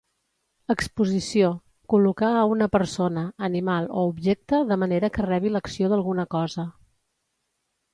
Exposició: col·locar a una persona, animal o objecte de manera que rebi l'acció d'alguna cosa.